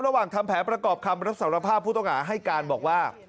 ทำแผนประกอบคำรับสารภาพผู้ต้องหาให้การบอกว่า